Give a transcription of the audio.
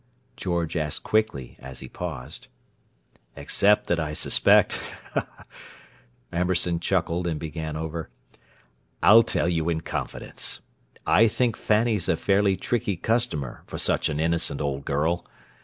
George asked quickly, as he paused. "Except that I suspect—" Amberson chuckled, and began over: "I'll tell you in confidence. I think Fanny's a fairly tricky customer, for such an innocent old girl!